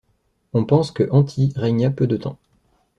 On pense que Henti régna peu de temps.